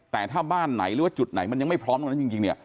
แต่ถ้าบ้านไหนหรือว่าจุดไหนมันยังไม่พร้อมตรงนั้นจริงเนี่ย